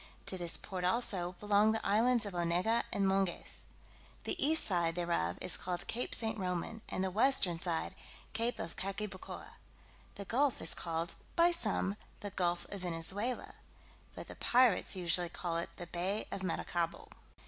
To this port also belong the islands of Onega and Monges. The east side thereof is called Cape St. Roman, and the western side Cape of Caquibacoa: the gulf is called, by some, the Gulf of Venezuela, but the pirates usually call it the Bay of Maracaibo.